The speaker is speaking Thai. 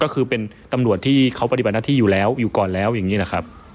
ก็คือเป็นตำรวจที่เขาปฏิบัติหน้าที่อยู่แล้วอยู่ก่อนแล้วอย่างนี้นะครับ